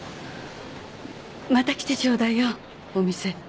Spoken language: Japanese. また来てちょうだいよお店。